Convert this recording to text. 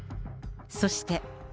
そして。